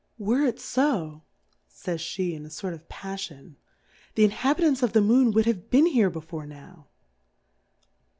Were ic lb, fajspej in a fort of a Pailion, the Inha bitants of the Moon would have been here before now.